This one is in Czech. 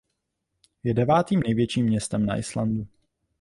Je devátým největším městem na Islandu.